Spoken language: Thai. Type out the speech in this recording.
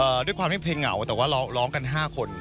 ด้วยความที่เพลงเหงาแต่ว่าเราร้องกันห้าคน